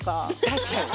確かに。